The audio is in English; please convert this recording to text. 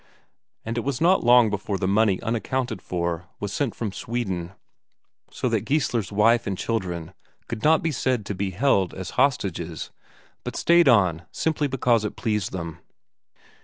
And it was not long before the money unaccounted for was sent from Sweden, so that Geissler's wife and children could not be said to be held as hostages, but stayed on simply because it pleased them.